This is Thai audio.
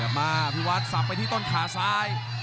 อัพพิวัตต์สับไปที่ต้นขาซ้าย